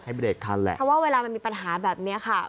เบรกทันแหละเพราะว่าเวลามันมีปัญหาแบบนี้ค่ะ